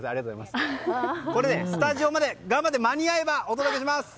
これね、スタジオまで頑張って間に合えばお届けします！